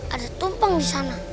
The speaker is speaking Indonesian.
ada tumpeng disana